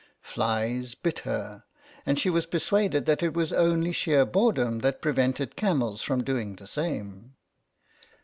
Flies bit her, and she was persuaded that it was only sheer boredom that prevented camels from doing the same.